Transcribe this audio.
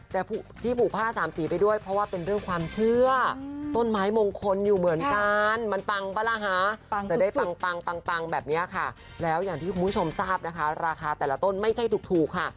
ทุกคุณผู้ชมทราบนะคะราคาแต่ละต้นไม่ใช่ถูกค่ะ